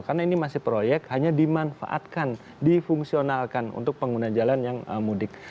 karena ini masih proyek hanya dimanfaatkan difungsionalkan untuk pengguna jalan yang mudik